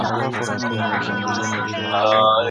زه هڅه کوم چي خپل ځان قوي وساتم.